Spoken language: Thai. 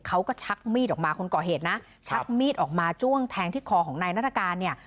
ชักมีดออกมาคนก่อเหตุนะชักมีดออกมาจ้วงแทงที่คอของนายนัฐกาลเนี่ย